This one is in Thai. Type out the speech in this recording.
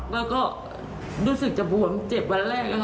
แล้วก็รู้สึกจะบวมเจ็บวันแรกนะคะ